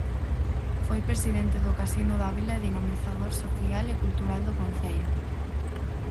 Foi presidente do Casino da vila e dinamizador social e cultural do concello.